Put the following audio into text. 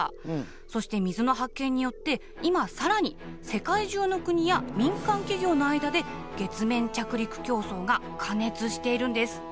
そして水の発見によって今さらに世界中の国や民間企業の間で月面着陸競争が過熱しているんです。